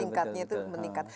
tingkatnya itu meningkat